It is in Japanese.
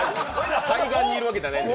対岸にいるわけじゃないんで。